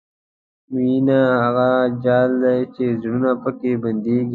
مینه هغه جال دی چې زړونه پکې بندېږي.